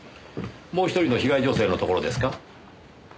もう１人の被害女性のところですか？